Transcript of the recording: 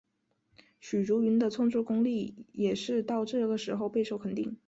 许茹芸的创作功力也是到这个时候备受肯定。